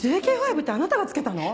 ＪＫ５ってあなたが付けたの？